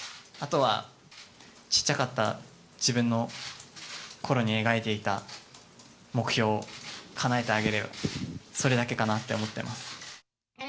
あとは小っちゃかった自分のころに描いていた目標をかなえてあげれば、それだけかなと思っています。